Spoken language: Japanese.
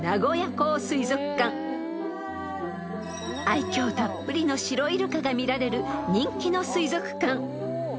［愛嬌たっぷりのシロイルカが見られる人気の水族館］